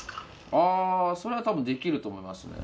あそれはたぶんできると思いますね。